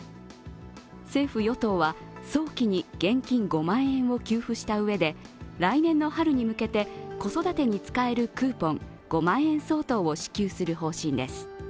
政府・与党は早期に現金５万円を給付したうえで来年の春に向けて子育てに使えるクーポン５万円相当を支給する方針です。